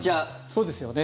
そうですよね。